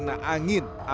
ada beberapa istilah